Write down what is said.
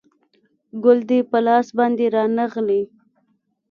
ګل دې په لاس باندې رانغلی